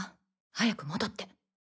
早く戻って。